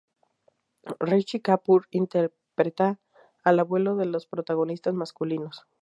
Rishi Kapoor interpreta al abuelo de los protagonistas masculinos.